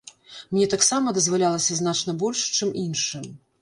Мне таксама дазвалялася значна больш, чым іншым.